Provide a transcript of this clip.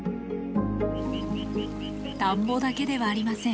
田んぼだけではありません。